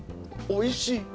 おいしい。